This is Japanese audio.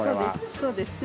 そうですね。